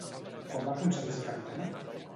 Quan va aconseguir ser capitana?